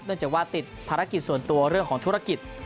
จากว่าติดภารกิจส่วนตัวเรื่องของธุรกิจ